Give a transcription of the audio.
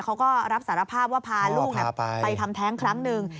เพราะว่าตอนคุณพ่อเขาก็รับสารภาพว่าพาลูกไปทำแท้งครั้งหนึ่ง